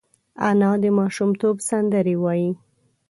انا د ماشومتوب سندرې وايي